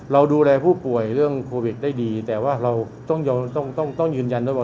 เราดูแลผู้ป่วยเรื่องโควิดได้ดีแต่ว่าเราต้องต้องยืนยันด้วยว่า